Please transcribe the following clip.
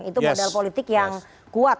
itu modal politik yang kuat